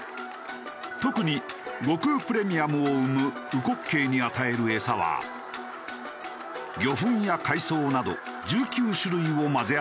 特に極烏プレミアムを産むうこっけいに与える餌は魚粉や海藻など１９種類を混ぜ合わせている。